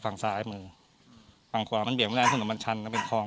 ฝั่งซ้ายมือฝั่งขวามันเบี่ยงไม่ได้ถนนมันชันมันเป็นคลอง